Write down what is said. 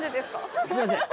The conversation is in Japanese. すいません